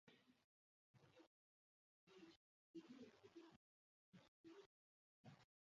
Agintariek ez dute produkturik gomendatzen.